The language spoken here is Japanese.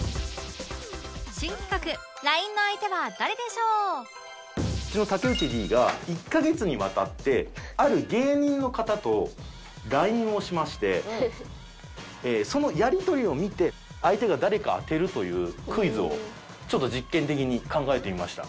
新企画武内 Ｄ が１カ月にわたってある芸人の方と ＬＩＮＥ をしましてそのやりとりを見て相手が誰か当てるというクイズをちょっと実験的に考えてみました。